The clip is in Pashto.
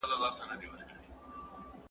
زه پرون مېوې وچولې!؟